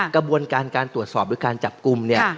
กระบวนการการตรวจสอบหรือการจับกลุ่มเนี่ย